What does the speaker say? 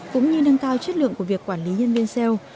cũng như nâng cao chất lượng của việc quản lý nhân viên sale